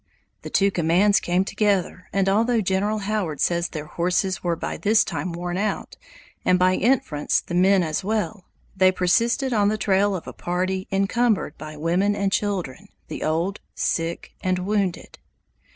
The two commands came together, and although General Howard says their horses were by this time worn out, and by inference the men as well, they persisted on the trail of a party encumbered by women and children, the old, sick, and wounded.